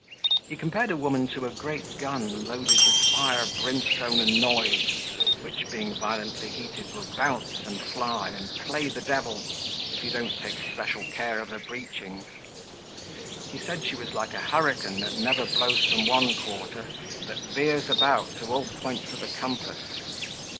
He compared a woman to a great gun loaded with fire, brimstone, and noise, which, being violently heated, will bounce and fly, and play the devil, if you don't take special care of her breechings. He said she was like a hurricane that never blows from one quarter, but veers about to all points of the compass.